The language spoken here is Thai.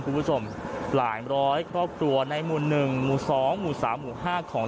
อย่างคุณผู้ชมหลายร้อยครอบครัวในหมุน๑หมุน๒หมุน๓หมุน๕ของ